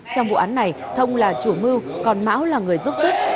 trong vụ án này thông là chủ mưu còn mão là người giúp sức